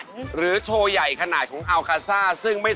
เจ้าคลายดินหวงหญิงแนน